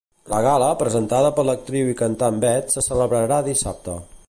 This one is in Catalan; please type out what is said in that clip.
La gala, presentada per l'actriu i cantant Beth, se celebrarà dissabte.